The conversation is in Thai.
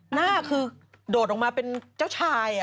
หน้าคือโดดออกมาเป็นเจ้าชาย